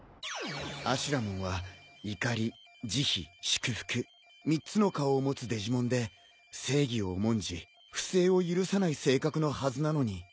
アシュラモンは怒り慈悲祝福３つの顔を持つデジモンで正義を重んじ不正を許さない性格のはずなのに。